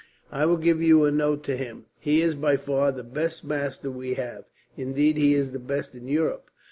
"I will give you a note to him. He is by far the best master we have. Indeed, he is the best in Europe.